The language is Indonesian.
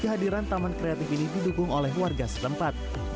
kehadiran taman kreatif ini didukung oleh warga setempat